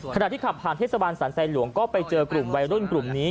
ขณะที่ขับผ่านเทศบาลสรรไซหลวงก็ไปเจอกลุ่มวัยรุ่นกลุ่มนี้